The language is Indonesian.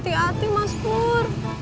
ati ati mas pur